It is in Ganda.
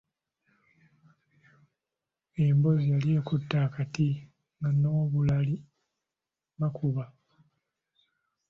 Emboozi yali ekutta akati nga n'obulali bakuba.